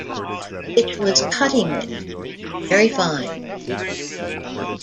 It was cutting it very fine.